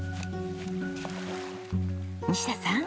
西田さん。